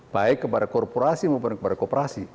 baik kepada korporasi maupun kepada kooperasi